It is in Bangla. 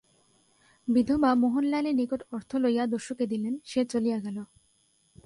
বিধবা মোহনলালের নিকট অর্থ লইয়া দস্যুকে দিলেন, সে চলিয়া গেল।